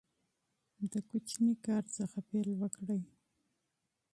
د کوچني کار څخه پیل وکړئ.